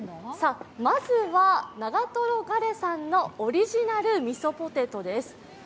まずは、長瀞とガレさんのオリジナルミソポテトです。